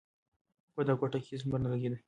په دغه کوټه کې هېڅ لمر نه لگېده.